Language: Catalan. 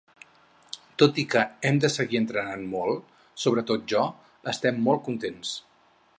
Tot i que hem de seguir entrenant molt, sobretot jo, estem molt contents!